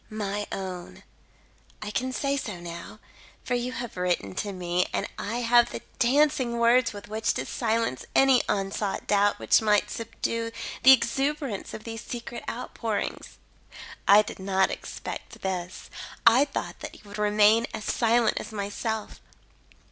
"My Own: "I can say so now; for you have written to me, and I have the dancing words with which to silence any unsought doubt which might subdue the exuberance of these secret outpourings. "I did not expect this. I thought that you would remain as silent as myself.